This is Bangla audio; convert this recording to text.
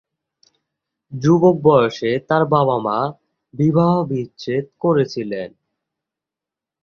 যুবক বয়সে তার বাবা-মা বিবাহবিচ্ছেদ করেছিলেন।